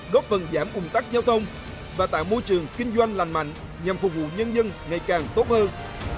góp phần giảm ủng tắc giao thông và tạo môi trường kinh doanh lành mạnh nhằm phục vụ nhân dân ngày càng tốt hơn